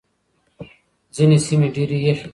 ځينې سيمې ډېرې يخې دي.